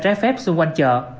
trái phép xung quanh chợ